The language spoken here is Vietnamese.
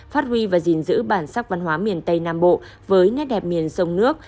phát huy và gìn giữ bản sắc văn hóa miền tây nam bộ với nét đẹp miền sông nước